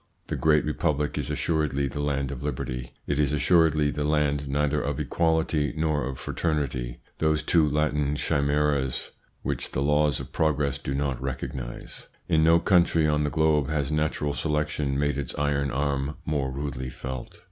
The great Republic is assuredly the land of liberty ; it is assuredly the land neither of equality nor of fraternity, those two Latin chimeras which the laws of progress do not recognise. In no country on the globe has natural selection made its iron arm more rudely felt.